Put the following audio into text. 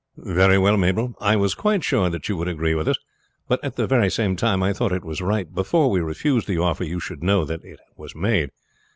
"Very well, Mabel. I was quite sure that you would agree with us, but at the same time I thought it was right before we refused the offer you should know that it was made.